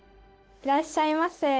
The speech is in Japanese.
「いらっしゃいませ。